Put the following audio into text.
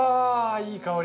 いい香り。